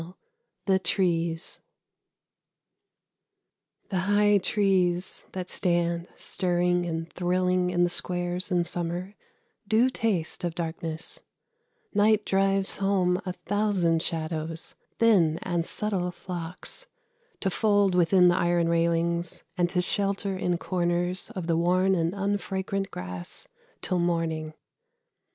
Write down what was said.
THE TREES The high trees that stand stirring and thrilling in the squares in summer do taste of darkness; night drives home a thousand shadows thin and subtle flocks to fold within the iron railings and to shelter in corners of the worn and unfragrant grass till morning.